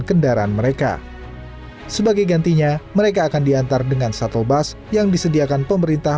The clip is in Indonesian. kendaraan mereka sebagai gantinya mereka akan diantar dengan shuttle bus yang disediakan pemerintah